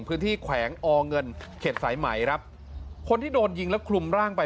แขวงอเงินเขตสายไหมครับคนที่โดนยิงแล้วคลุมร่างไป